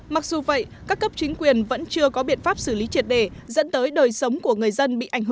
mặc dù vậy các cấp chính quyền vẫn chưa có biện pháp xử lý triệt đề